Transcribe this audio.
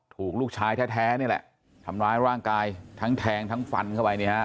ถูกลูกชายแท้นี่แหละทำร้ายร่างกายทั้งแทงทั้งฟันเข้าไปเนี่ยฮะ